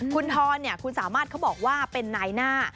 คุณทรคุณสามารถเขาบอกว่าเป็นนายหน้า